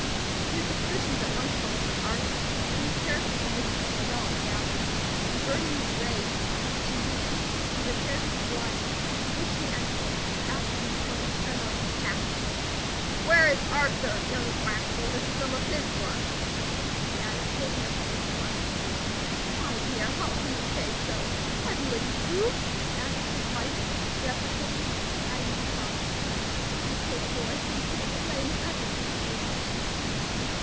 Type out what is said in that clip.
His suspicions at once fell upon Arthur, whose character for mischief was well established; and burning with rage, watch in hand, he repaired to the drawing room, which he entered, asking, in tones tremulous with passion, "Where is Arthur! Young rascal! this is some of his work," he added, holding up the injured article. "My dear, how can you say so? have you any proof?" asked his wife, deprecatingly adding in her softest tones, "my poor boy seems to get the blame of everything that goes wrong."